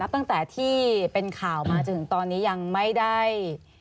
ตั้งแต่ที่เป็นข่าวมาจนถึงตอนนี้ยังไม่ได้